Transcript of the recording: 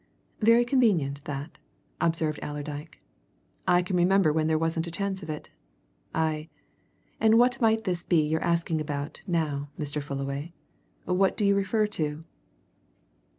"Very convenient, that," observed Allerdyke. "I can remember when there wasn't a chance of it. Aye and what might this be that you're asking about, now, Mr. Fullaway? What do you refer to?"